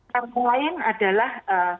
yang lain adalah